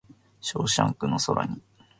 ショーシャンクの空に